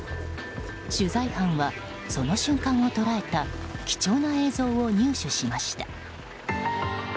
取材班は、その瞬間を捉えた貴重な映像を入手しました。